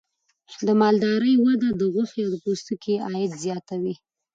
د مالدارۍ وده د غوښې او پوستکي عاید زیاتوي.